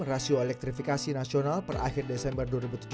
rasio elektrifikasi nasional per akhir desember dua ribu tujuh belas